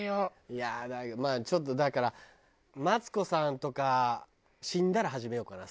いやあだけどまあちょっとだからマツコさんとか死んだら始めようかな。